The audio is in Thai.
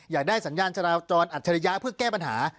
อยากได้สัญญาณจราจรอัจฉริยะเพื่อแก้ปัญหา